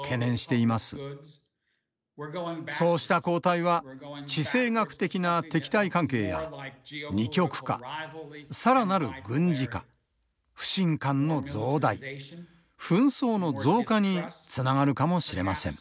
そうした後退は地政学的な敵対関係や二極化更なる軍事化不信感の増大紛争の増加につながるかもしれません。